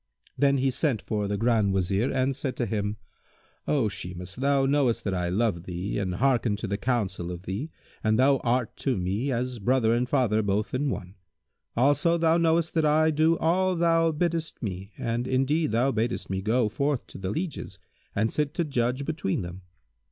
Then he sent for the Grand Wazir and said to him, "O Shimas, thou knowest that I love thee and hearken to the counsel of thee and thou art to me as brother and father both in one; also thou knowest that I do all thou biddest me and indeed thou badest me go forth to the lieges and sit to judge between them.